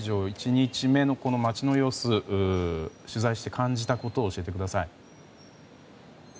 １日目の街の様子取材して感じたことを教えてください。